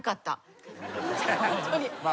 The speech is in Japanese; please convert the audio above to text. ホントに。